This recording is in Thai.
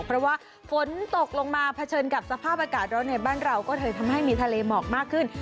เพราะว่าฝนตกลงมาเผชิญกับสภาพอากาศร้อนในบ้านเราก็เลยทำให้มีทะเลหมอกมากขึ้น